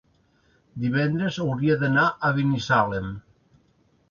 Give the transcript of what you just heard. Divendres hauria d'anar a Binissalem.